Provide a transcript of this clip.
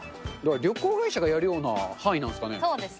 旅行会社がやるような範囲なんですかね。